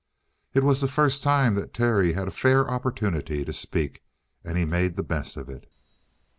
It was the first time that Terry had a fair opportunity to speak, and he made the best of it.